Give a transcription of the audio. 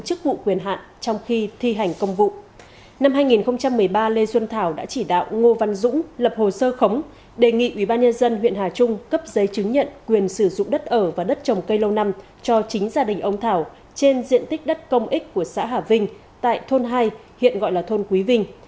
ủy ban nhân dân huyện hà trung cấp giấy chứng nhận quyền sử dụng đất ở và đất trồng cây lâu năm cho chính gia đình ông thảo trên diện tích đất công ích của xã hà vinh tại thôn hai hiện gọi là thôn quý vinh